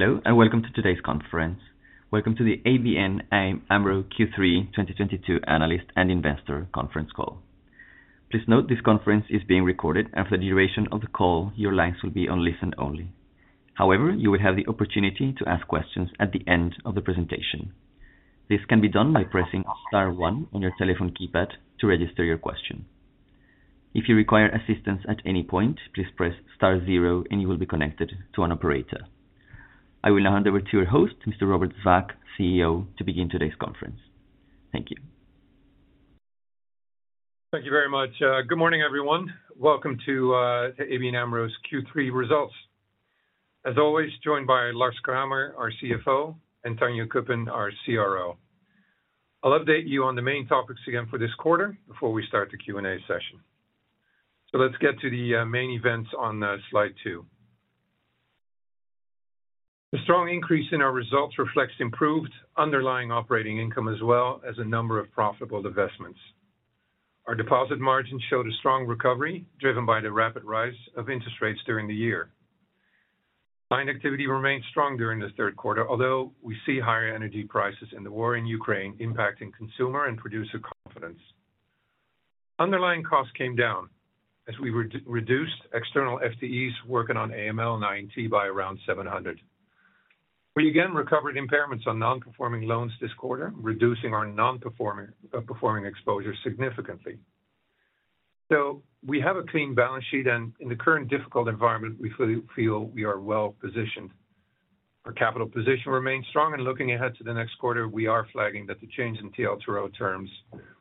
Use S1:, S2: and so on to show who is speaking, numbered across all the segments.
S1: Hello, and welcome to today's conference. Welcome to the ABN AMRO Q3 2022 Analyst and Investor Conference Call. Please note this conference is being recorded. For the duration of the call, your lines will be on listen only. However, you will have the opportunity to ask questions at the end of the presentation. This can be done by pressing star one on your telephone keypad to register your question. If you require assistance at any point, please press star zero and you will be connected to an operator. I will now hand over to your host, Mr. Robert Swaak, CEO, to begin today's conference. Thank you.
S2: Thank you very much. Good morning, everyone. Welcome to ABN AMRO's Q3 Results. As always, joined by Lars Kramer, our CFO, and Tanja Cuppen, our CRO. I'll update you on the main topics again for this quarter before we start the Q&A session. Let's get to the main events on slide 2. The strong increase in our results reflects improved underlying operating income, as well as a number of profitable investments. Our deposit margin showed a strong recovery driven by the rapid rise of interest rates during the year. Client activity remained strong during the third quarter, although we see higher energy prices and the war in Ukraine impacting consumer and producer confidence. Underlying costs came down as we reduced external FTEs working on AML and IT by around 700. We again recovered impairments on non-performing loans this quarter, reducing our non-performing exposure significantly. We have a clean balance sheet and in the current difficult environment, we feel we are well positioned. Our capital position remains strong and looking ahead to the next quarter, we are flagging that the change in TLTRO terms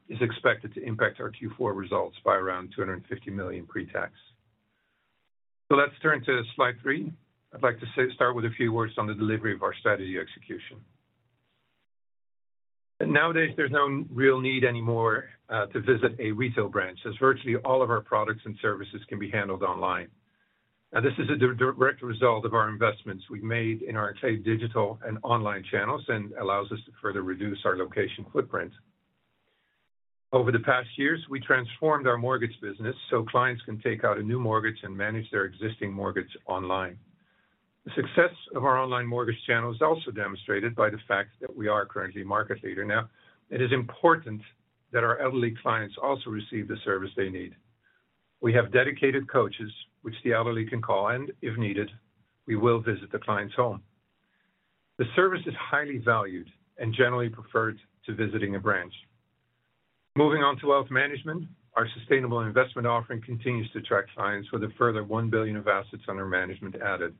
S2: is expected to impact our Q4 results by around 250 million pre-tax. Let's turn to slide three. I'd like to start with a few words on the delivery of our strategy execution. Nowadays, there's no real need anymore to visit a retail branch, as virtually all of our products and services can be handled online. Now, this is a direct result of our investments we've made in our traditional, digital, and online channels and allows us to further reduce our location footprint. Over the past years, we transformed our mortgage business so clients can take out a new mortgage and manage their existing mortgage online. The success of our online mortgage channel is also demonstrated by the fact that we are currently market leader. Now, it is important that our elderly clients also receive the service they need. We have dedicated coaches which the elderly can call, and if needed, we will visit the client's home. The service is highly valued and generally preferred to visiting a branch. Moving on to wealth management, our sustainable investment offering continues to attract clients with a further 1 billion of assets under management added.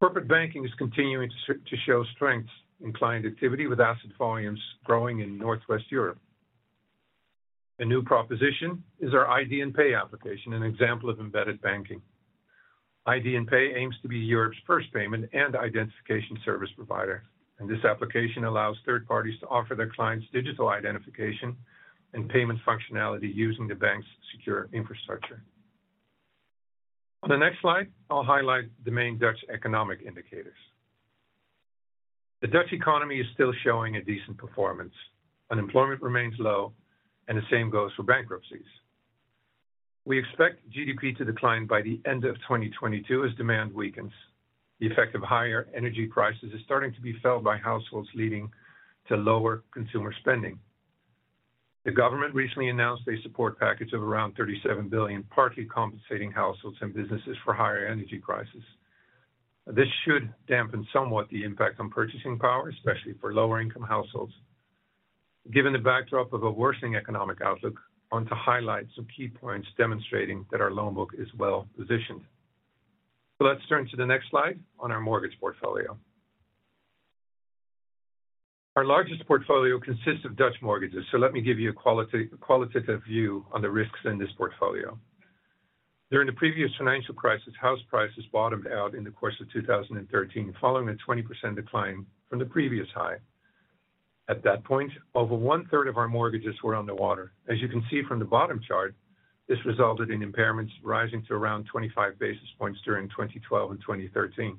S2: Corporate banking is continuing to show strength in client activity with asset volumes growing in Northwest Europe. A new proposition is our ID&Pay application, an example of embedded banking. ID&Pay aims to be Europe's first payment and identification service provider, and this application allows third parties to offer their clients digital identification and payment functionality using the bank's secure infrastructure. On the next slide, I'll highlight the main Dutch economic indicators. The Dutch economy is still showing a decent performance. Unemployment remains low, and the same goes for bankruptcies. We expect GDP to decline by the end of 2022 as demand weakens. The effect of higher energy prices is starting to be felt by households leading to lower consumer spending. The government recently announced a support package of around 37 billion, partly compensating households and businesses for higher energy prices. This should dampen somewhat the impact on purchasing power, especially for lower income households. Given the backdrop of a worsening economic outlook, I want to highlight some key points demonstrating that our loan book is well positioned. Let's turn to the next slide on our mortgage portfolio. Our largest portfolio consists of Dutch mortgages, so let me give you a qualitative view on the risks in this portfolio. During the previous financial crisis, house prices bottomed out in the course of 2013, following a 20% decline from the previous high. At that point, over one-third of our mortgages were under water. As you can see from the bottom chart, this resulted in impairments rising to around 25 basis points during 2012 and 2013.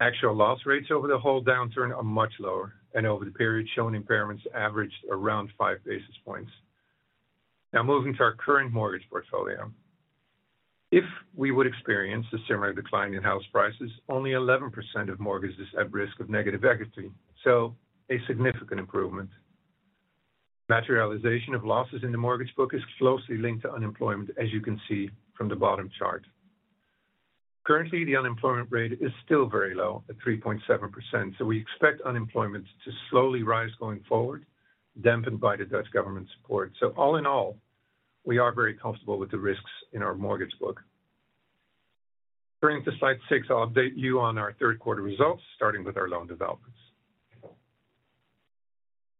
S2: Actual loss rates over the whole downturn are much lower, and over the period shown, impairments averaged around 5 basis points. Now moving to our current mortgage portfolio. If we would experience a similar decline in house prices, only 11% of mortgages at risk of negative equity, so a significant improvement. Materialization of losses in the mortgage book is closely linked to unemployment, as you can see from the bottom chart. Currently, the unemployment rate is still very low at 3.7%, so we expect unemployment to slowly rise going forward, dampened by the Dutch government support. All in all, we are very comfortable with the risks in our mortgage book. Turning to slide 6, I'll update you on our third quarter results, starting with our loan developments.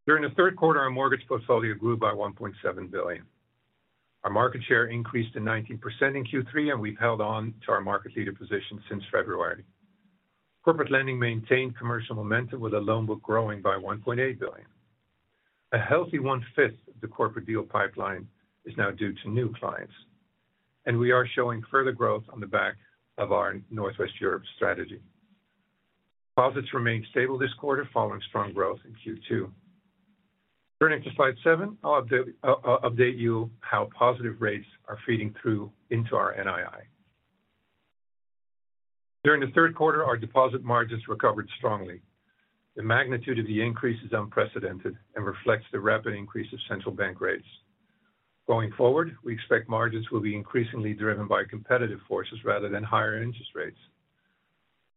S2: During the third quarter, our mortgage portfolio grew by 1.7 billion. Our market share increased to 19% in Q3, and we've held on to our market leader position since February. Corporate lending maintained commercial momentum with the loan book growing by 1.8 billion. A healthy one-fifth of the corporate deal pipeline is now due to new clients, and we are showing further growth on the back of our Northwest Europe strategy. Deposits remained stable this quarter following strong growth in Q2. Turning to slide 7, I'll update you on how positive rates are feeding through into our NII. During the third quarter, our deposit margins recovered strongly. The magnitude of the increase is unprecedented and reflects the rapid increase of central bank rates. Going forward, we expect margins will be increasingly driven by competitive forces rather than higher interest rates.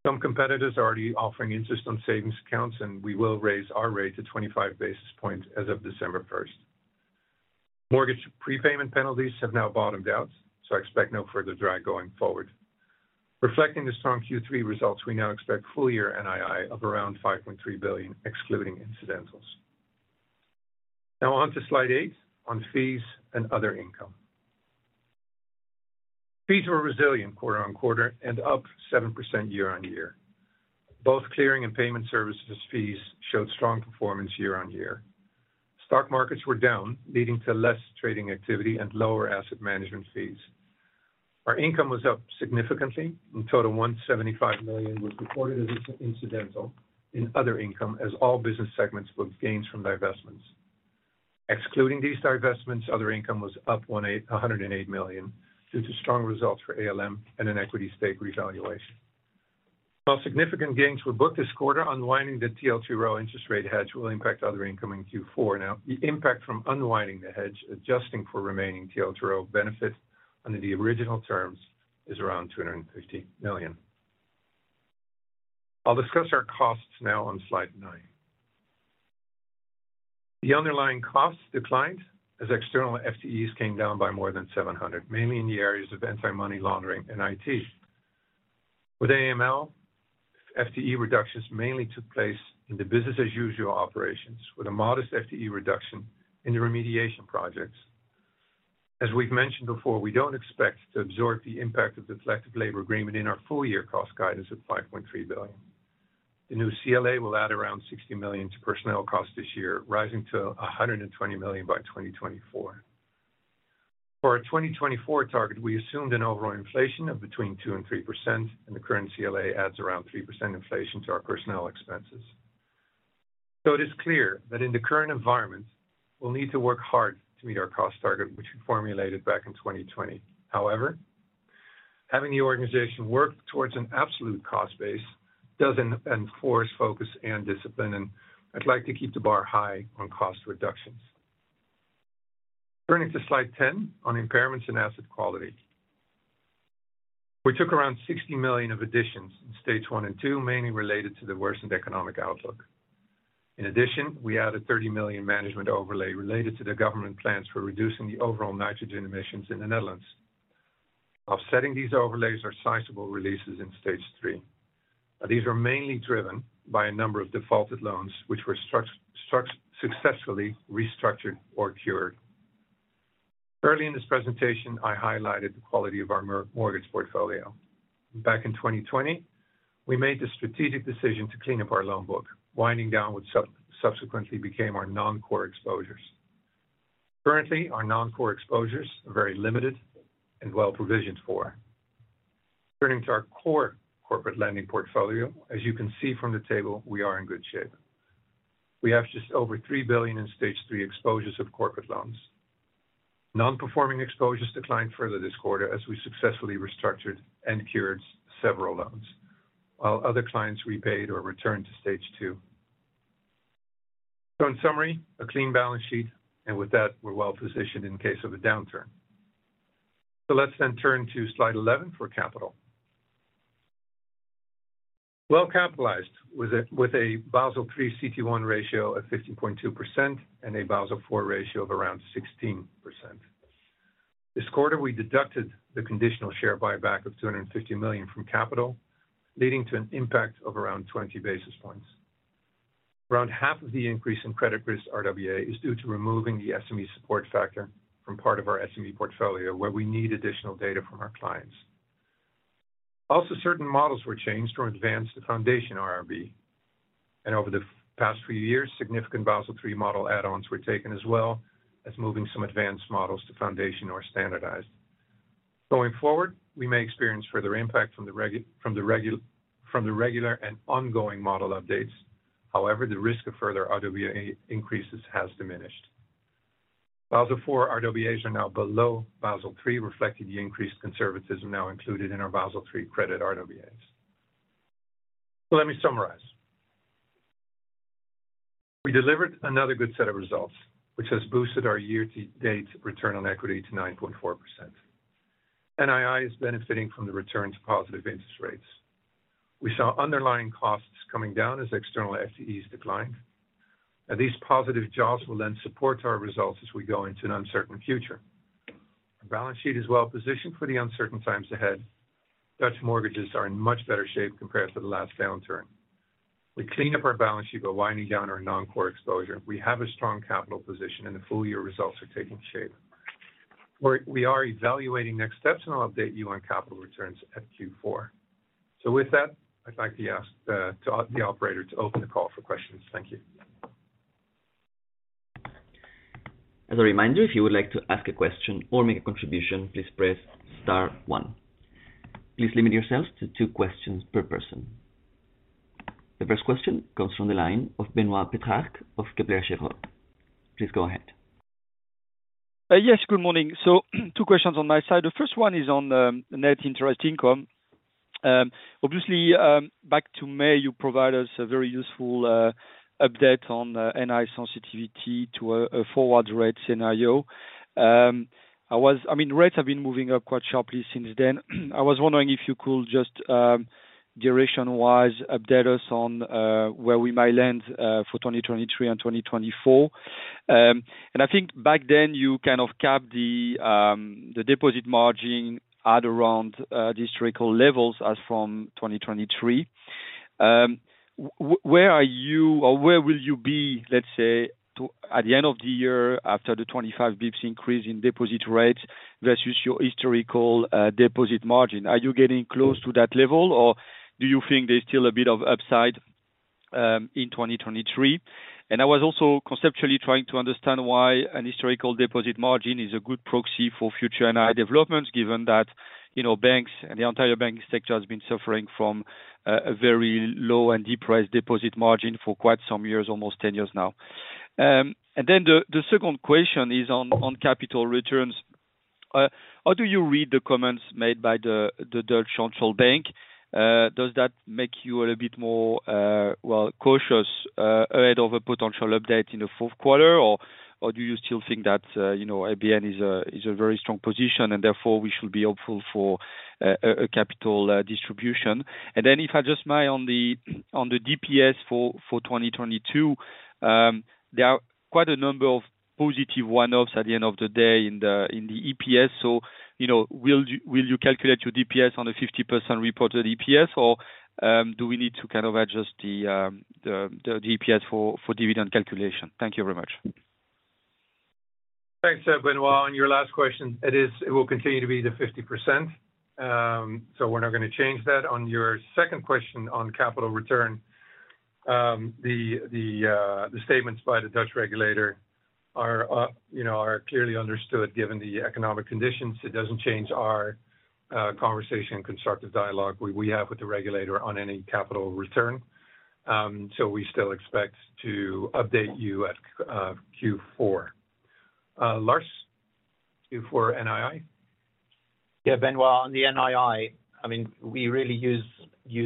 S2: Some competitors are already offering interest on savings accounts, and we will raise our rate to 25 basis points as of December first. Mortgage prepayment penalties have now bottomed out, so I expect no further drag going forward. Reflecting the strong Q3 results, we now expect full-year NII of around 5.3 billion, excluding incidentals. Now on to slide eight, on fees and other income. Fees were resilient quarter-on-quarter and up 7% year-on-year. Both clearing and payment services fees showed strong performance year-on-year. Stock markets were down, leading to less trading activity and lower asset management fees. Our income was up significantly. In total, 175 million was recorded as incidental in other income as all business segments booked gains from divestments. Excluding these divestments, other income was up 108 million due to strong results for ALM and an equity stake revaluation. While significant gains were booked this quarter, unwinding the TLTRO interest rate hedge will impact other income in Q4. Now, the impact from unwinding the hedge, adjusting for remaining TLTRO benefit under the original terms, is around 250 million. I'll discuss our costs now on slide 9. The underlying costs declined as external FTEs came down by more than 700, mainly in the areas of anti-money laundering and IT. With AML, FTE reductions mainly took place in the business as usual operations, with a modest FTE reduction in the remediation projects. As we've mentioned before, we don't expect to absorb the impact of the collective labor agreement in our full-year cost guidance of 5.3 billion. The new CLA will add around 60 million to personnel costs this year, rising to 120 million by 2024. For our 2024 target, we assumed an overall inflation of between 2% and 3%, and the current CLA adds around 3% inflation to our personnel expenses. It is clear that in the current environment, we'll need to work hard to meet our cost target, which we formulated back in 2020. However, having the organization work towards an absolute cost base does enforce focus and discipline, and I'd like to keep the bar high on cost reductions. Turning to slide 10 on impairments and asset quality. We took around 60 million of additions in stage one and two, mainly related to the worsened economic outlook. In addition, we added 30 million management overlay related to the government plans for reducing the overall nitrogen emissions in the Netherlands. Offsetting these overlays are sizable releases in stage three. These are mainly driven by a number of defaulted loans which were successfully restructured or cured. Early in this presentation, I highlighted the quality of our mortgage portfolio. Back in 2020, we made the strategic decision to clean up our loan book, winding down what subsequently became our non-core exposures. Currently, our non-core exposures are very limited and well provisioned for. Turning to our core corporate lending portfolio, as you can see from the table, we are in good shape. We have just over 3 billion in stage three exposures of corporate loans. Non-performing exposures declined further this quarter as we successfully restructured and cured several loans, while other clients repaid or returned to stage two. In summary, a clean balance sheet, and with that, we're well-positioned in case of a downturn. Let's then turn to slide 11 for capital. Well-capitalized with a Basel III CET1 ratio of 15.2% and a Basel IV ratio of around 16%. This quarter, we deducted the conditional share buyback of 250 million from capital, leading to an impact of around 20 basis points. Around half of the increase in credit risk RWA is due to removing the SME support factor from part of our SME portfolio, where we need additional data from our clients. Also, certain models were changed from advanced to foundation IRB. Over the past few years, significant Basel III model add-ons were taken, as well as moving some advanced models to foundation or standardized. Going forward, we may experience further impact from the regular and ongoing model updates. However, the risk of further RWA increases has diminished. Basel IV RWAs are now below Basel III, reflecting the increased conservatism now included in our Basel III credit RWAs. Let me summarize. We delivered another good set of results, which has boosted our year-to-date return on equity to 9.4%. NII is benefiting from the return to positive interest rates. We saw underlying costs coming down as external FTEs declined. Now, these positive jobs will then support our results as we go into an uncertain future. Our balance sheet is well-positioned for the uncertain times ahead. Dutch mortgages are in much better shape compared to the last downturn. We cleaned up our balance sheet by winding down our non-core exposure. We have a strong capital position, and the full-year results are taking shape. We are evaluating next steps, and I'll update you on capital returns at Q4. With that, I'd like to ask the operator to open the call for questions. Thank you.
S1: As a reminder, if you would like to ask a question or make a contribution, please press star one. Please limit yourselves to two questions per person. The first question comes from the line of Benoît Pétrarque of Kepler Cheuvreux. Please go ahead.
S3: Yes, good morning. Two questions on my side. The first one is on net interest income. Obviously, back to May, you provided us a very useful update on NII sensitivity to a forward rate scenario. I mean, rates have been moving up quite sharply since then. I was wondering if you could just, direction-wise, update us on where we might land for 2023 and 2024. I think back then you kind of capped the deposit margin at around historical levels as from 2023. Where are you or where will you be, let's say, at the end of the year after the 25 basis points increase in deposit rates versus your historical deposit margin? Are you getting close to that level, or do you think there's still a bit of upside in 2023? I was also conceptually trying to understand why an historical deposit margin is a good proxy for future NII developments, given that, you know, banks and the entire banking sector has been suffering from a very low and depressed deposit margin for quite some years, almost 10 years now. The second question is on capital returns. How do you read the comments made by De Nederlandsche Bank? Does that make you a bit more, well, cautious ahead of a potential update in the fourth quarter? Or do you still think that, you know, ABN is in a very strong position and therefore we should be hopeful for a capital distribution? If I just may on the DPS for 2022, there are quite a number of positive one-offs at the end of the day in the EPS. You know, will you calculate your DPS on the 50% reported EPS or do we need to kind of adjust the DPS for dividend calculation? Thank you very much.
S2: Thanks, Benoît. On your last question, it will continue to be the 50%. We're not gonna change that. On your second question on capital return, the statements by the Dutch regulator are, you know, clearly understood given the economic conditions. It doesn't change our constructive dialogue we have with the regulator on any capital return. We still expect to update you at Q4. Lars, Q4 NII.
S4: Yeah, Benoît, on the NII, I mean, we really use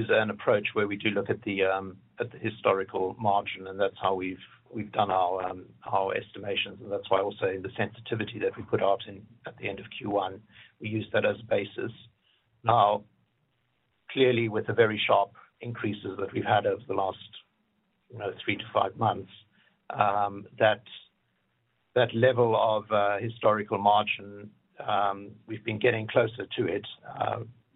S4: an approach where we do look at the historical margin, and that's how we've done our estimations, and that's why also the sensitivity that we put out at the end of Q1, we use that as basis. Now, clearly, with the very sharp increases that we've had over the last, you know, 3-5 months, that level of historical margin, we've been getting closer to it.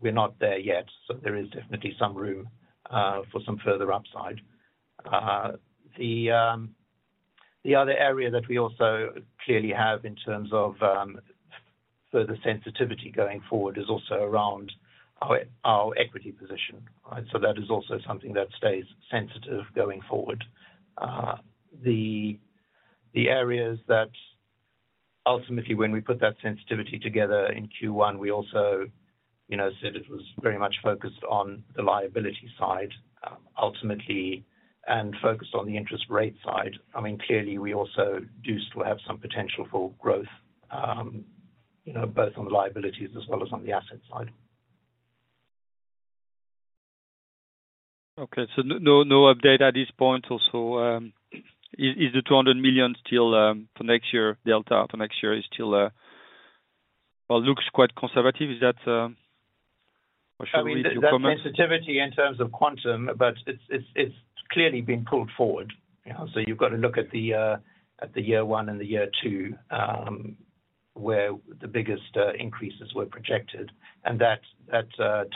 S4: We're not there yet, so there is definitely some room for some further upside. The other area that we also clearly have in terms of further sensitivity going forward is also around our equity position. That is also something that stays sensitive going forward. The areas that ultimately when we put that sensitivity together in Q1, we also, you know, said it was very much focused on the liability side, ultimately, and focused on the interest rate side. I mean, clearly, we also do still have some potential for growth, you know, both on the liabilities as well as on the asset side.
S3: Okay. No update at this point. Also, is the 200 million still for next year? Delta for next year is still. Well, looks quite conservative. Is that what you read your comment?
S4: I mean, that sensitivity in terms of quantum, but it's clearly been pulled forward. You know, so you've got to look at the year one and the year two, where the biggest increases were projected, and that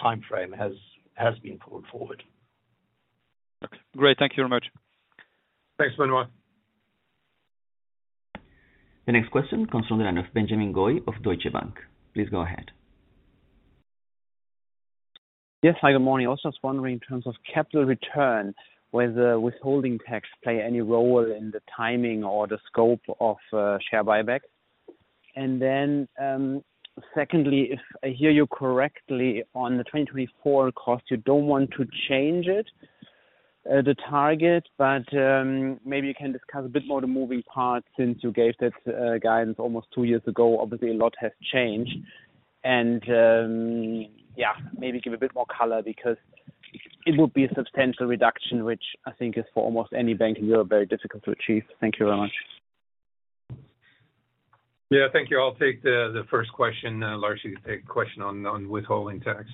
S4: timeframe has been pulled forward.
S3: Okay. Great. Thank you very much.
S2: Thanks, Benoît.
S1: The next question comes from the line of Benjamin Goy of Deutsche Bank. Please go ahead.
S5: Yes. Hi, good morning. Also was wondering in terms of capital return, will the withholding tax play any role in the timing or the scope of share buyback? Then, secondly, if I hear you correctly on the 2024 cost, you don't want to change it, the target, but maybe you can discuss a bit more the moving parts since you gave that guidance almost two years ago. Obviously, a lot has changed. Yeah, maybe give a bit more color because it would be a substantial reduction, which I think is for almost any bank in Europe, very difficult to achieve. Thank you very much.
S2: Yeah. Thank you. I'll take the first question. Lars, you can take the question on withholding tax.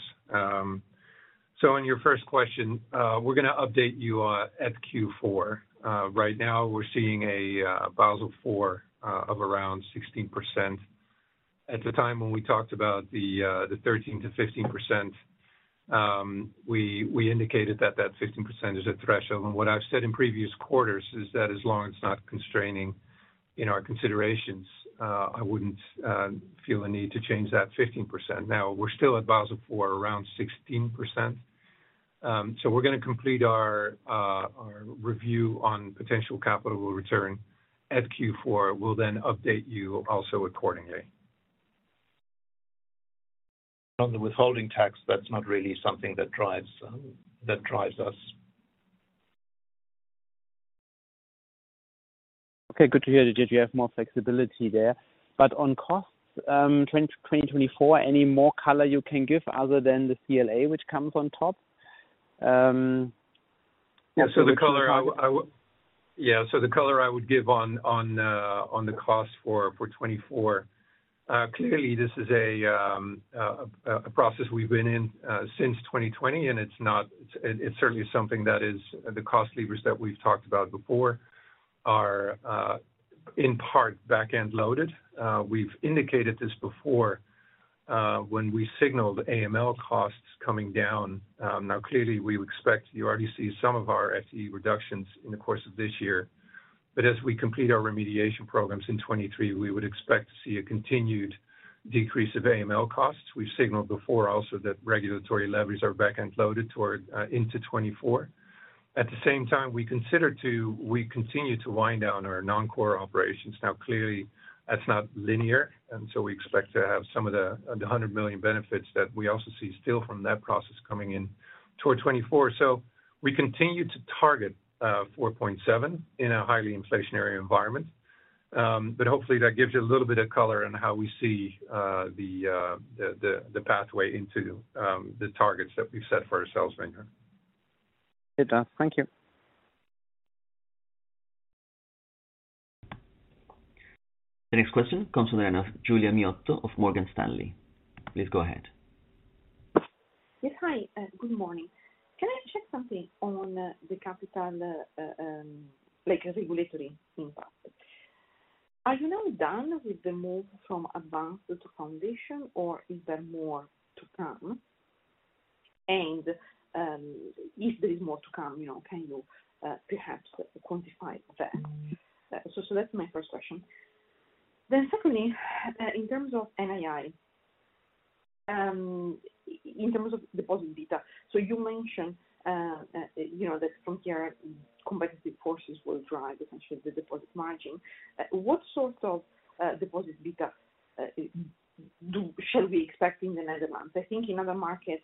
S2: So on your first question, we're gonna update you at Q4. Right now we're seeing a Basel IV of around 16%. At the time when we talked about the 13%-15%, we indicated that that 15% is a threshold. What I've said in previous quarters is that as long as it's not constraining in our considerations, I wouldn't feel a need to change that 15%. Now, we're still at Basel IV around 16%. So we're gonna complete our review on potential capital return at Q4. We'll then update you also accordingly. On the withholding tax, that's not really something that drives us.
S5: Okay, good to hear that you do have more flexibility there. On costs, 2024, any more color you can give other than the CLA which comes on top?
S2: Yeah. The color I would give on the cost for 2024, clearly this is a process we've been in since 2020, and it certainly is something that is the cost levers that we've talked about before are in part back-end loaded. We've indicated this before when we signaled AML costs coming down. Now, clearly, we would expect you already see some of our FTE reductions in the course of this year. As we complete our remediation programs in 2023, we would expect to see a continued decrease of AML costs. We've signaled before also that regulatory levies are back-end loaded toward into 2024. At the same time, we continue to wind down our non-core operations. Now, clearly, that's not linear, and so we expect to have some of the 100 million benefits that we also see still from that process coming in toward 2024. We continue to target 4.7 in a highly inflationary environment. Hopefully, that gives you a little bit of color on how we see the pathway into the targets that we've set for ourselves, Benjamin Goy.
S5: Good job. Thank you.
S1: The next question comes from Giulia Miotto of Morgan Stanley. Please go ahead.
S6: Yes. Hi. Good morning. Can I check something on the capital, like regulatory impact? Are you now done with the move from advanced to foundation, or is there more to come? If there is more to come, you know, can you perhaps quantify that? That's my first question. Secondly, in terms of NII, in terms of deposit beta, you mentioned, you know, that from here, competitive forces will drive essentially the deposit margin. What sort of deposit beta shall we expect in the Netherlands? I think in other markets,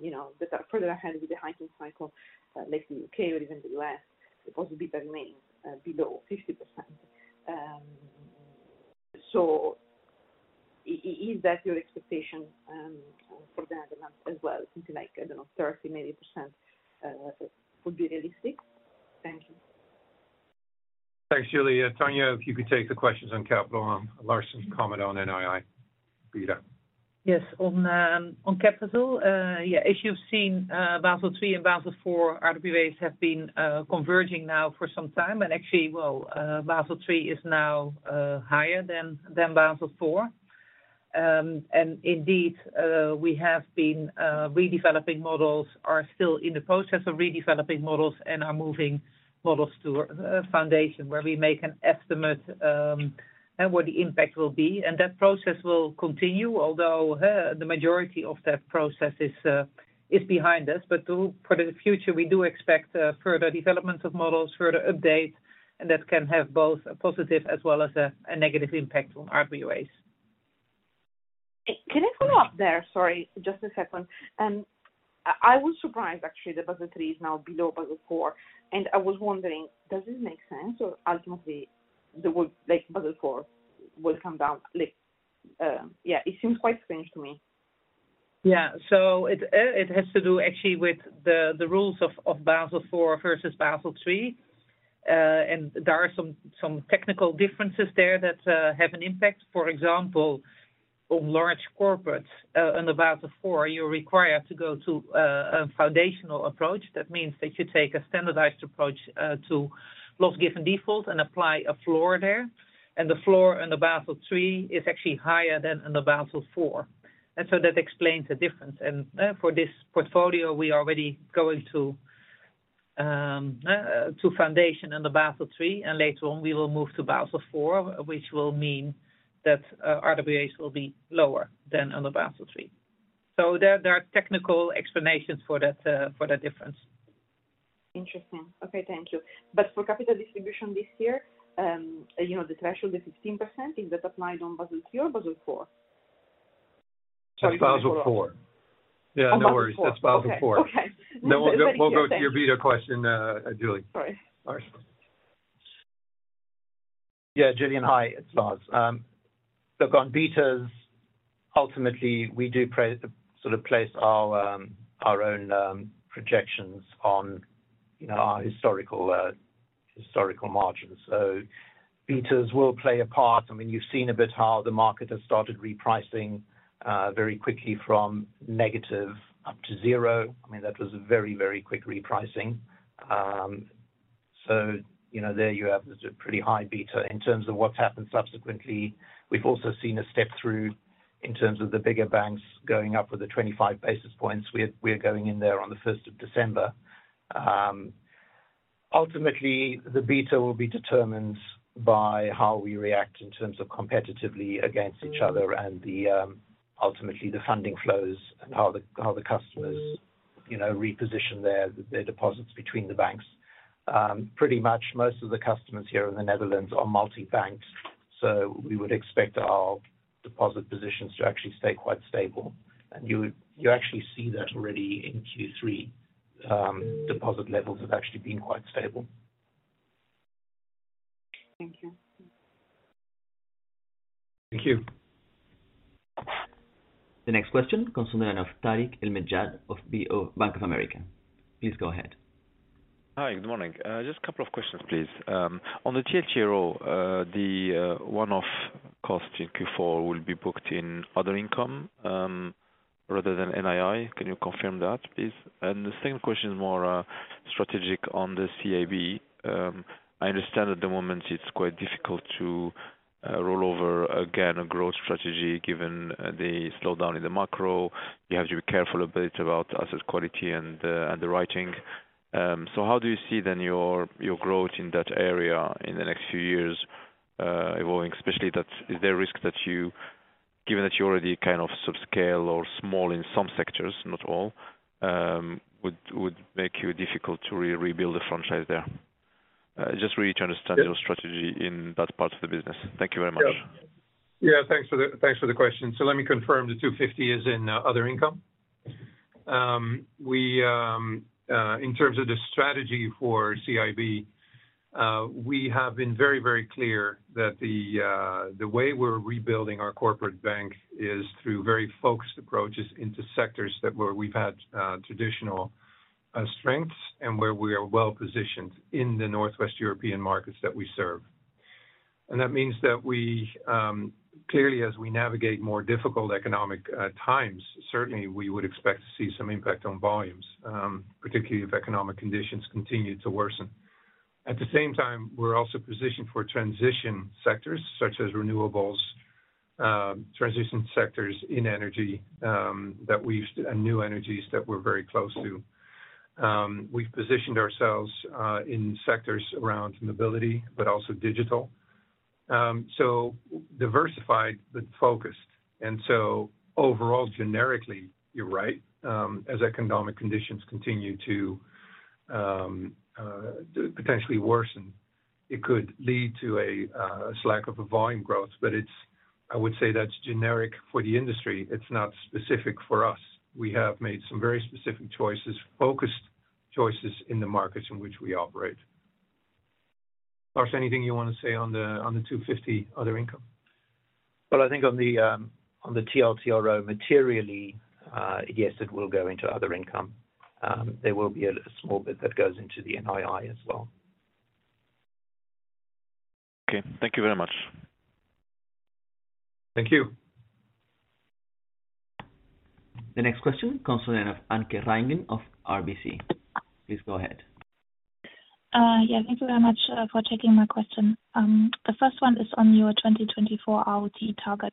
S6: you know, that are further ahead with the hiking cycle, like the U.K. or even the U.S., deposit beta remains below 50%. Is that your expectation for the Netherlands as well? Something like, I don't know, 30%-40% would be realistic. Thank you.
S2: Thanks, Giulia. Tanja, if you could take the questions on capital, and Lars can comment on NII Tanja.
S7: Yes. On capital, yeah, as you've seen, Basel III and Basel IV RWAs have been converging now for some time. Actually, well, Basel III is now higher than Basel IV. Indeed, we have been redeveloping models, are still in the process of redeveloping models, and are moving models to foundation, where we make an estimate on what the impact will be. That process will continue, although the majority of that process is behind us. For the future, we do expect further development of models, further updates, and that can have both a positive as well as a negative impact on RWAs.
S6: Can I follow up there? Sorry, just a second. I was surprised actually that Basel III is now below Basel IV. I was wondering, does it make sense or ultimately would, like, Basel IV will come down? Like, yeah, it seems quite strange to me.
S7: Yeah. It has to do actually with the rules of Basel IV versus Basel III. There are some technical differences there that have an impact. For example, on large corporates, in the Basel IV, you're required to go to a foundational approach. That means that you take a standardized approach to loss given default and apply a floor there. The floor in the Basel III is actually higher than in the Basel IV. That explains the difference. For this portfolio, we're already going to foundation in the Basel III, and later on we will move to Basel IV, which will mean that RWAs will be lower than on the Basel III. There are technical explanations for that difference.
S6: Interesting. Okay, thank you. For capital distribution this year, you know, the threshold is 15%. Is that applied on Basel III or Basel IV? Sorry for
S2: That's Basel IV.
S6: On Basel IV.
S2: Yeah, no worries. That's Basel IV.
S6: Okay.
S2: Now we'll go to your beta question, Giulia.
S6: Sorry.
S2: Lars.
S4: Yeah, Giulia, hi. It's Lars. Look, on betas, ultimately, we do sort of place our own projections on, you know, our historical margins. Betas will play a part. I mean, you've seen a bit how the market has started repricing very quickly from negative up to zero. I mean, that was a very, very quick repricing. You know, there you have just a pretty high beta. In terms of what's happened subsequently, we've also seen a step through in terms of the bigger banks going up with the 25 basis points. We're going in there on the first of December. Ultimately, the beta will be determined by how we react in terms of competitively against each other and the ultimately the funding flows and how the customers, you know, reposition their deposits between the banks. Pretty much most of the customers here in the Netherlands are multi-banks. We would expect our deposit positions to actually stay quite stable. You actually see that already in Q3, deposit levels have actually been quite stable.
S1: Thank you. The next question comes in from Tarik El Mejjad of Bank of America. Please go ahead.
S8: Hi, good morning. Just a couple of questions, please. On the TLTRO, the one-off cost in Q4 will be booked in other income, rather than NII. Can you confirm that, please? The second question is more strategic on the CIB. I understand at the moment it's quite difficult to roll over, again, a growth strategy given the slowdown in the macro. You have to be careful a bit about asset quality and the writing. How do you see your growth in that area in the next few years evolving, especially is there risk that you. Given that you're already kind of subscale or small in some sectors, not all, would make you difficult to rebuild the franchise there? Just really to understand your strategy in that part of the business. Thank you very much.
S2: Yeah. Yeah, thanks for the question. Let me confirm the 250 is in other income. In terms of the strategy for CIB, we have been very clear that the way we're rebuilding our corporate bank is through very focused approaches into sectors that where we've had traditional strengths and where we are well positioned in the Northwest European markets that we serve. That means that we clearly, as we navigate more difficult economic times, certainly we would expect to see some impact on volumes, particularly if economic conditions continue to worsen. At the same time, we're also positioned for transition sectors such as renewables, transition sectors in energy, and new energies that we're very close to. We've positioned ourselves in sectors around mobility, but also digital. Diversified but focused. Overall, generically, you're right. As economic conditions continue to potentially worsen, it could lead to a slack in volume growth. It's. I would say that's generic for the industry. It's not specific for us. We have made some very specific choices, focused choices in the markets in which we operate. Lars, anything you wanna say on the 250 other income?
S4: Well, I think on the TLTRO materially, yes, it will go into other income. There will be a small bit that goes into the NII as well.
S8: Okay, thank you very much.
S2: Thank you.
S1: The next question comes in of Anke Reingen of RBC. Please go ahead.
S9: Yeah, thank you very much for taking my question. The first one is on your 2024 ROE target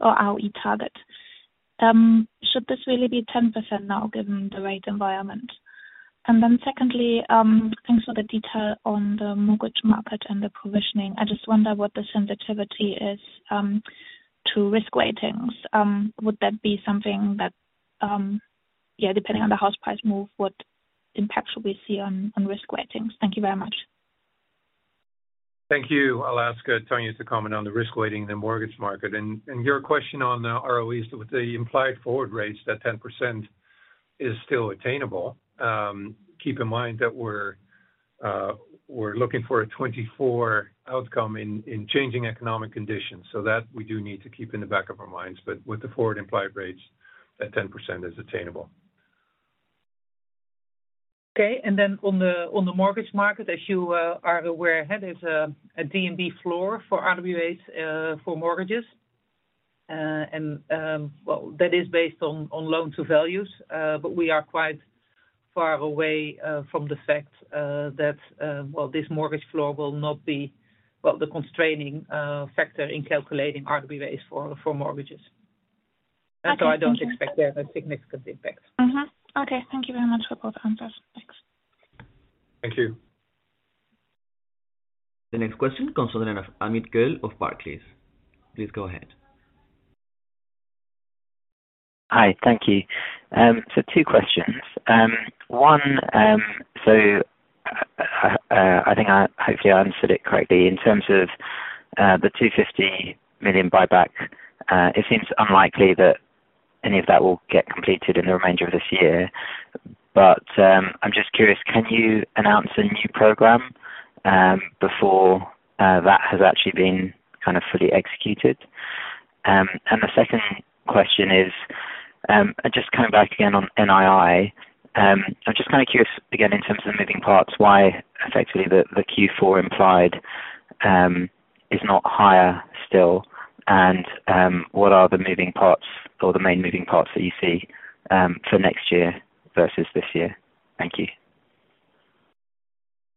S9: or ROE target. Should this really be 10% now, given the rate environment? Secondly, thanks for the detail on the mortgage market and the provisioning. I just wonder what the sensitivity is to risk weightings. Would that be something that, yeah, depending on the house price move, what impact should we see on risk weightings? Thank you very much.
S2: Thank you. I'll ask Tanja Cuppen to comment on the risk weighting in the mortgage market. Your question on the ROEs with the implied forward rates, that 10% is still attainable. Keep in mind that we're looking for a 2024 outcome in changing economic conditions. That we do need to keep in the back of our minds. With the forward implied rates, that 10% is attainable.
S7: Okay. On the mortgage market, as you are aware, there's a DNB floor for RWA for mortgages. That is based on loan to values. We are quite far away from the fact that this mortgage floor will not be the constraining factor in calculating RWA for mortgages.
S9: Okay. Thank you.
S7: I don't expect there a significant impact.
S9: Okay, thank you very much for both answers. Thanks.
S2: Thank you.
S1: The next question comes from Amit Goel of Barclays. Please go ahead.
S10: Hi. Thank you. Two questions. One, hopefully I understood it correctly. In terms of the 250 million buyback, it seems unlikely that any of that will get completed in the remainder of this year. I'm just curious, can you announce a new program before that has actually been kind of fully executed? The second question is just coming back again on NII. I'm just kind of curious, again, in terms of the moving parts, why effectively the Q4 implied is not higher still, and what are the moving parts or the main moving parts that you see for next year versus this year? Thank you.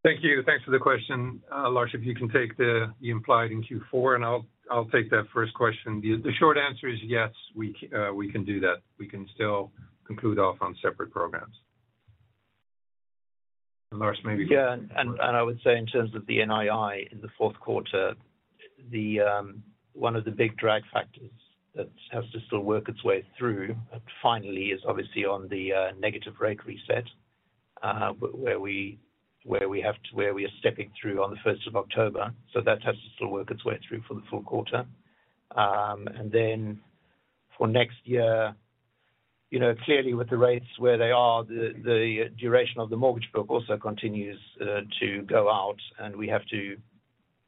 S2: Thank you. Thanks for the question. Lars, if you can take the implied in Q4, and I'll take that first question. The short answer is yes, we can do that. We can still conclude off on separate programs. Lars, maybe.
S4: Yeah, I would say in terms of the NII in the fourth quarter, one of the big drag factors that has to still work its way through, finally, is obviously on the negative rate reset, where we are stepping through on the first of October. That has to still work its way through for the full quarter. For next year, you know, clearly with the rates where they are, the duration of the mortgage book also continues to go out, and we have to,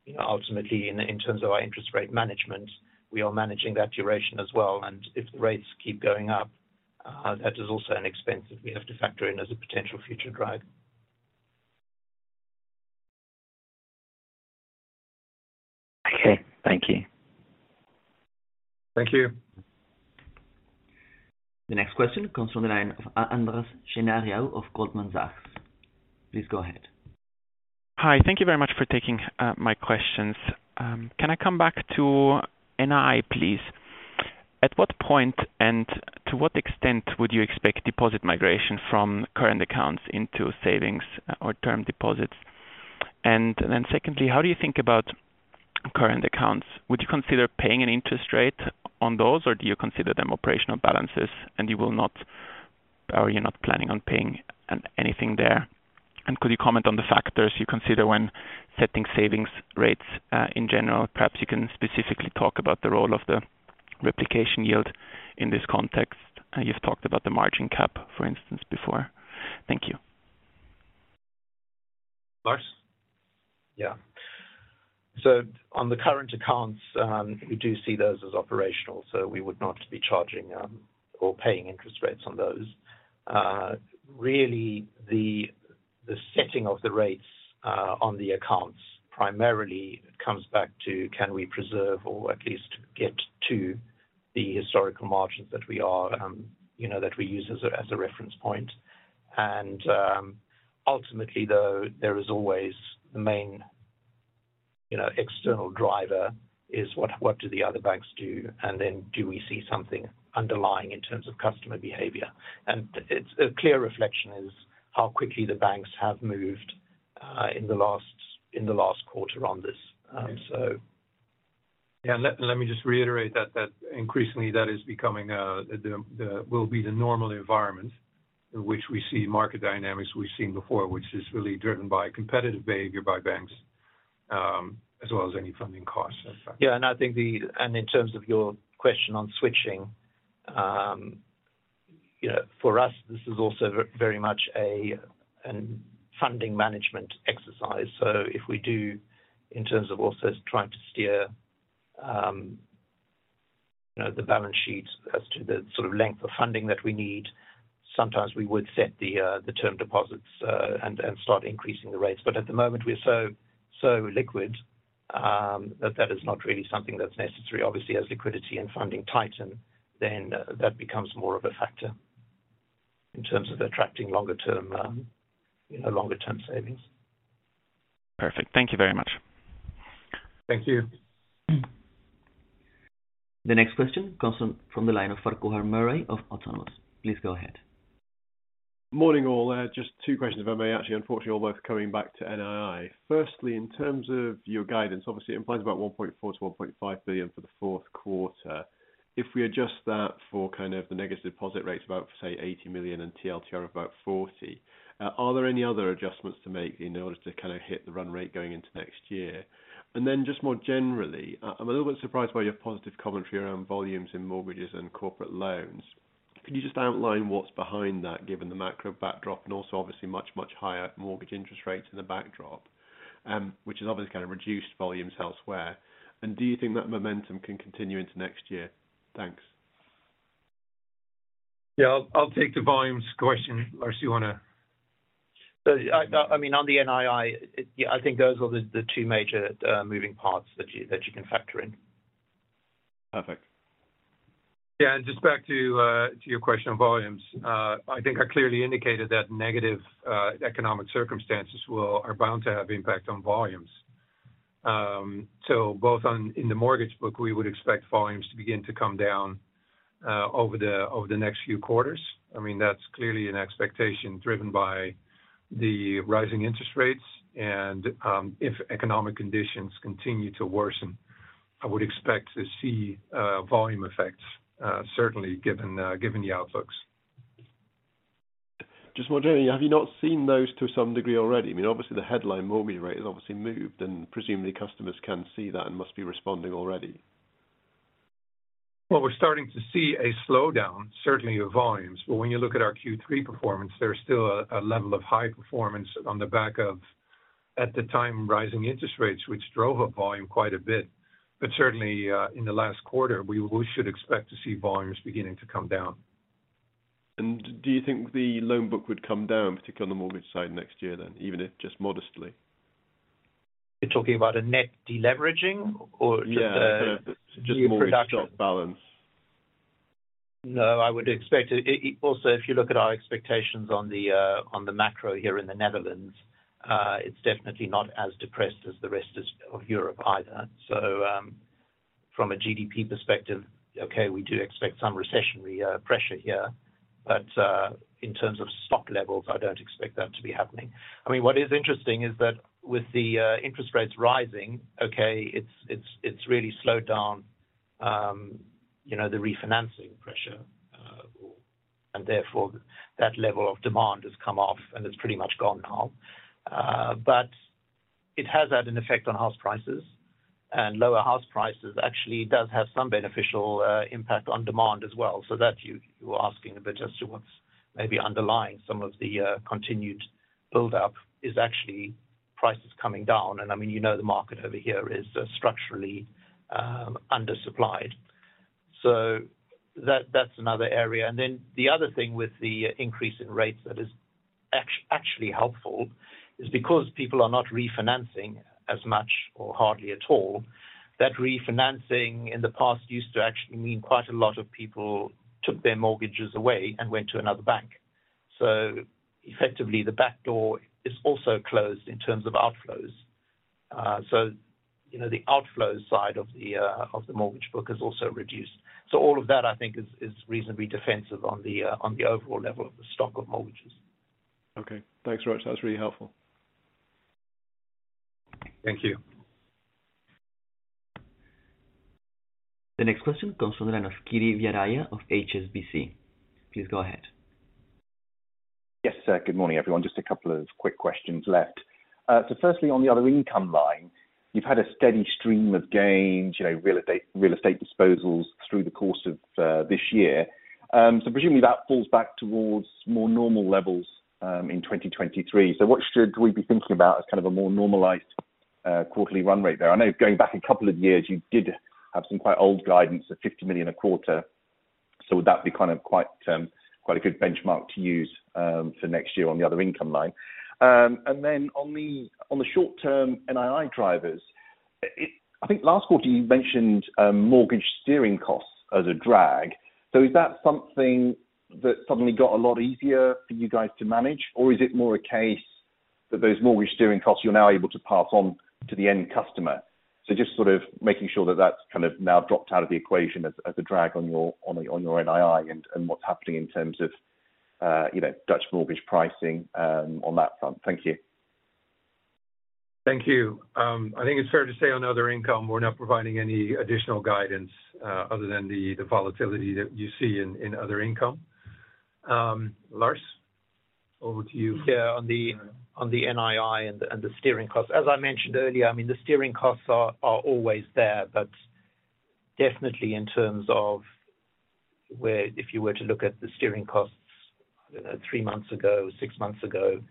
S4: you know, ultimately in terms of our interest rate management, we are managing that duration as well. If the rates keep going up, that is also an expense that we have to factor in as a potential future drag. Okay, thank you.
S2: Thank you.
S1: The next question comes from the line of Andrea Scauri of Goldman Sachs. Please go ahead.
S11: Hi. Thank you very much for taking my questions. Can I come back to NII, please? At what point and to what extent would you expect deposit migration from current accounts into savings or term deposits? Secondly, how do you think about current accounts? Would you consider paying an interest rate on those, or do you consider them operational balances? Are you not planning on paying anything there? Could you comment on the factors you consider when setting savings rates, in general? Perhaps you can specifically talk about the role of the replication yield in this context. You've talked about the margin cap, for instance, before. Thank you.
S2: Lars?
S4: Yeah. On the current accounts, we do see those as operational, so we would not be charging or paying interest rates on those. Really, the setting of the rates on the accounts primarily comes back to can we preserve or at least get to the historical margins that we are, you know, that we use as a reference point. Ultimately, though, there is always the main, you know, external driver is what do the other banks do. Do we see something underlying in terms of customer behavior? It's a clear reflection is how quickly the banks have moved in the last quarter on this.
S2: Yeah. Let me just reiterate that increasingly that is becoming the normal environment in which we see market dynamics we've seen before, which is really driven by competitive behavior by banks, as well as any funding costs.
S4: Yeah. I think in terms of your question on switching, you know, for us, this is also very much a funding management exercise. If we do in terms of also trying to steer, you know, the balance sheets as to the sort of length of funding that we need, sometimes we would set the term deposits and start increasing the rates. But at the moment, we're so liquid that that is not really something that's necessary. Obviously, as liquidity and funding tighten, then that becomes more of a factor in terms of attracting longer term, you know, longer term savings.
S11: Perfect. Thank you very much.
S2: Thank you.
S1: The next question comes from the line of Farquhar Murray of Autonomous. Please go ahead.
S12: Morning, all. Just two questions, if I may. Actually, unfortunately, they're both coming back to NII. Firstly, in terms of your guidance, obviously it implies about 1.4-1.5 billion for the fourth quarter. If we adjust that for kind of the negative deposit rates, about, say, 80 million and TLTRO of about 40 million, are there any other adjustments to make in order to kind of hit the run rate going into next year? Then just more generally, I'm a little bit surprised by your positive commentary around volumes in mortgages and corporate loans. Can you just outline what's behind that, given the macro backdrop and also obviously much, much higher mortgage interest rates in the backdrop, which has obviously kind of reduced volumes elsewhere? Do you think that momentum can continue into next year? Thanks.
S2: Yeah. I'll take the volumes question. Lars, you wanna.
S4: I mean, on the NII, yeah, I think those are the two major moving parts that you can factor in.
S12: Perfect.
S2: Yeah. Just back to your question on volumes, I think I clearly indicated that negative economic circumstances are bound to have impact on volumes. So both in the mortgage book, we would expect volumes to begin to come down over the next few quarters. I mean, that's clearly an expectation driven by the rising interest rates. If economic conditions continue to worsen, I would expect to see volume effects, certainly given the outlooks.
S12: Just more generally, have you not seen those to some degree already? I mean, obviously the headline mortgage rate has obviously moved, and presumably customers can see that and must be responding already.
S2: Well, we're starting to see a slowdown, certainly of volumes. When you look at our Q3 performance, there's still a level of high performance on the back of, at the time, rising interest rates, which drove up volume quite a bit. Certainly, in the last quarter, we should expect to see volumes beginning to come down.
S12: Do you think the loan book would come down, particularly on the mortgage side next year then, even if just modestly?
S4: You're talking about a net deleveraging or just a?
S12: Yeah.
S4: New production?
S12: Just mortgage stock balance.
S4: No, I would expect it. Also, if you look at our expectations on the macro here in the Netherlands, it's definitely not as depressed as the rest of Europe either. From a GDP perspective, we do expect some recessionary pressure here, but in terms of stock levels, I don't expect that to be happening. I mean, what is interesting is that with the interest rates rising, it's really slowed down, you know, the refinancing pressure, and therefore that level of demand has come off, and it's pretty much gone now. It has had an effect on house prices, and lower house prices actually does have some beneficial impact on demand as well, so that you were asking a bit as to what's maybe underlying some of the continued build-up is actually prices coming down. I mean, you know the market over here is structurally undersupplied. That's another area. Then the other thing with the increase in rates that is actually helpful is because people are not refinancing as much or hardly at all, that refinancing in the past used to actually mean quite a lot of people took their mortgages away and went to another bank. Effectively, the back door is also closed in terms of outflows. You know, the outflow side of the mortgage book is also reduced. All of that I think is reasonably defensive on the overall level of the stock of mortgages. Okay. Thanks, Farquhar Murray. That's really helpful.
S12: Thank you.
S1: The next question comes from the line of Kiri Vijayarajah of HSBC. Please go ahead.
S13: Yes, good morning, everyone. Just a couple of quick questions left. Firstly, on the other income line, you've had a steady stream of gains, you know, real estate disposals through the course of this year. Presumably that falls back towards more normal levels in 2023. What should we be thinking about as kind of a more normalized quarterly run rate there? I know going back a couple of years, you did have some quite old guidance of 50 million a quarter. Would that be kind of quite a good benchmark to use for next year on the other income line? And then on the short term NII drivers, I think last quarter you mentioned mortgage steering costs as a drag. Is that something that suddenly got a lot easier for you guys to manage, or is it more a case that those mortgage steering costs you're now able to pass on to the end customer? Just sort of making sure that that's kind of now dropped out of the equation as a drag on your NII and what's happening in terms of, you know, Dutch mortgage pricing, on that front. Thank you.
S2: Thank you. I think it's fair to say on other income, we're not providing any additional guidance, other than the volatility that you see in other income. Lars, over to you.
S4: Yeah. On the NII and the steering costs. As I mentioned earlier, I mean, the steering costs are always there, but definitely in terms of where if you were to look at the steering costs, you know, three months ago, six months ago,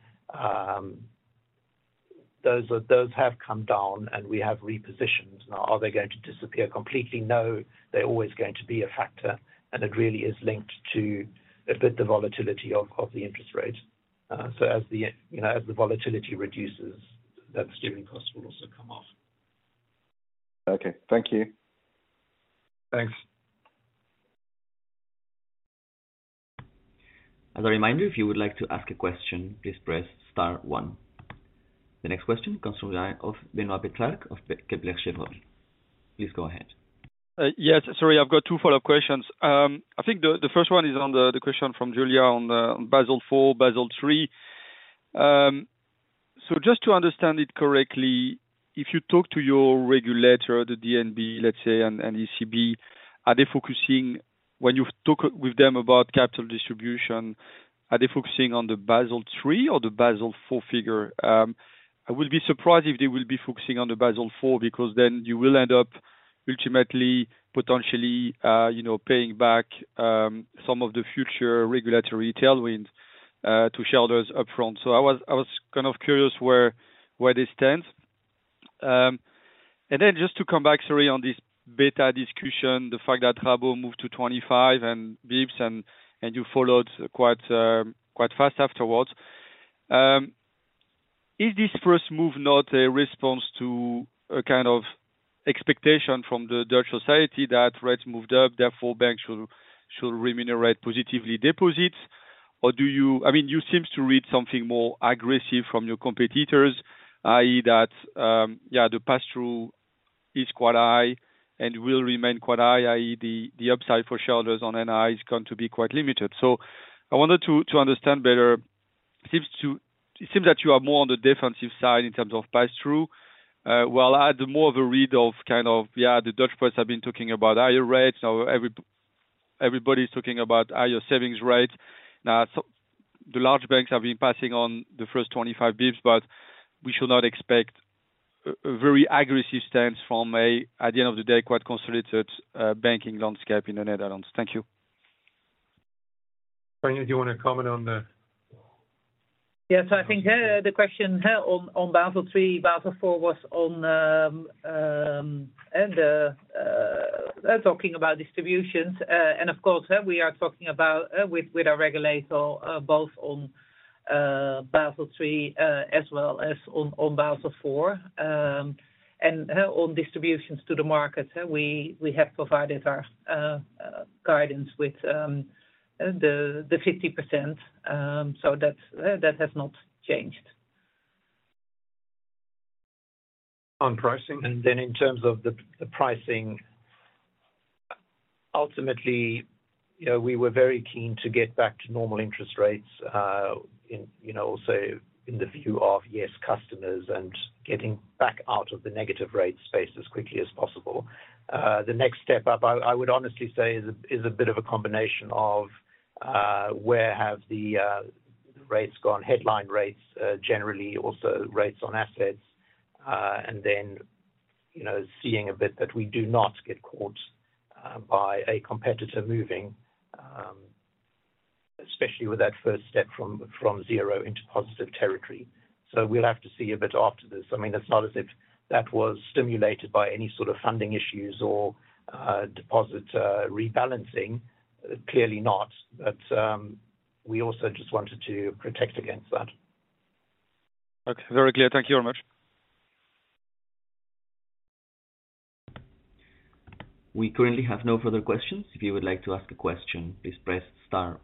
S4: those have come down, and we have repositioned. Now, are they going to disappear completely? No, they're always going to be a factor, and it really is linked a bit to the volatility of the interest rates. So as the, you know, as the volatility reduces, the steering costs will also come off.
S13: Okay. Thank you.
S4: Thanks.
S1: As a reminder, if you would like to ask a question, please press star one. The next question comes from the line of Benoît Pétrarque of Kepler Cheuvreux. Please go ahead.
S3: Yes, sorry. I've got two follow-up questions. I think the first one is on the question from Giulia on the Basel IV, Basel III. So just to understand it correctly, if you talk to your regulator, the DNB, let's say, and ECB, are they focusing? When you talk with them about capital distribution, are they focusing on the Basel III or the Basel IV figure? I will be surprised if they will be focusing on the Basel IV because then you will end up ultimately, potentially, you know, paying back some of the future regulatory tailwinds to shareholders upfront. I was kind of curious where they stand. Just to come back to the story on this beta discussion, the fact that Rabo moved to 25 basis points and you followed quite fast afterwards. Is this first move not a response to a kind of expectation from the Dutch society that rates moved up, therefore banks should remunerate positively deposits? Or do you, I mean, you seems to read something more aggressive from your competitors, i.e. that yeah the pass-through is quite high and will remain quite high, i.e. the upside for shareholders on NII is going to be quite limited. I wanted to understand better. It seems that you are more on the defensive side in terms of pass-through. While I had more of a read of kind of yeah the Dutch press have been talking about higher rates. Everybody is talking about higher savings rates. The large banks have been passing on the first 25 basis points, but we should not expect a very aggressive stance from, at the end of the day, quite consolidated banking landscape in the Netherlands. Thank you.
S4: Tanja, do you wanna comment on the?
S7: Yes, I think the question on Basel III, Basel IV was on talking about distributions. Of course, we are talking about with our regulator both on Basel III as well as on Basel IV. On distributions to the market, we have provided our guidance with the 50%, so that has not changed.
S4: On pricing. In terms of the pricing, ultimately, you know, we were very keen to get back to normal interest rates, in the view of customers and getting back out of the negative rate space as quickly as possible. The next step up, I would honestly say is a bit of a combination of where the rates have gone, headline rates, generally also rates on assets, and then, you know, seeing a bit that we do not get caught by a competitor moving, especially with that first step from zero into positive territory. We'll have to see a bit after this. I mean, it's not as if that was stimulated by any sort of funding issues or deposit rebalancing. Clearly not. We also just wanted to protect against that.
S3: Okay. Very clear. Thank you very much.
S1: We currently have no further questions. If you would like to ask a question, please press star one.